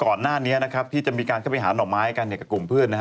ก่อนหน้านี้นะครับที่จะมีการเข้าไปหาหน่อไม้กันเนี่ยกับกลุ่มเพื่อนนะฮะ